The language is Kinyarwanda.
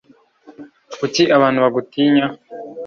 kuki abantu bagutinya